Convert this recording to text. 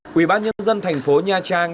quỹ bác nhân dân thành phố nha trang